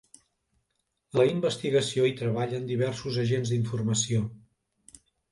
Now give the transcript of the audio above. En la investigació hi treballen diversos agents d’informació.